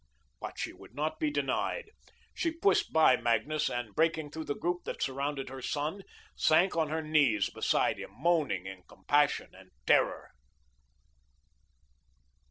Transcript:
But she would not be denied. She pushed by Magnus, and, breaking through the group that surrounded her son, sank on her knees beside him, moaning, in compassion and terror.